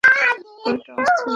পুরোই অস্থির লাগছে।